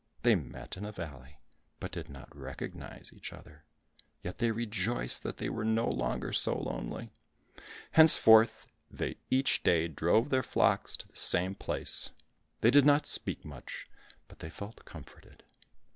They met in a valley, but did not recognize each other; yet they rejoiced that they were no longer so lonely. Henceforth they each day drove their flocks to the same place; they did not speak much, but they felt comforted.